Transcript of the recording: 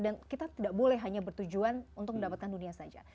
dan kita tidak boleh hanya bertujuan untuk mendapatkan dunia saja